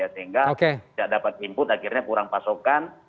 sehingga tidak dapat input akhirnya kurang pasokan